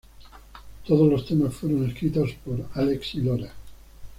Todos los temas fueron escritos por Álex Lora.